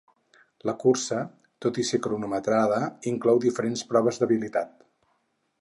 La cursa, tot i ser cronometrada, inclou diferents proves d'habilitat.